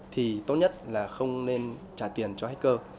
thì tốt nhất là không nên trả tiền cho hacker